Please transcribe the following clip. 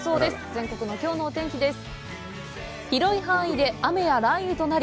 全国のきょうのお天気です。